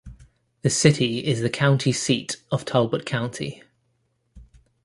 The city is the county seat of Talbot County.